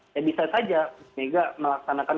ya bisa saja mega melaksanakan